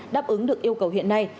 đáp ứng được yêu cầu hiện nay